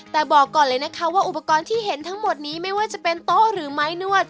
แต่บอกก่อนเลยนะคะว่าอุปกรณ์ที่เห็นทั้งหมดนี้ไม่ว่าจะเป็นโต๊ะหรือไม้นวด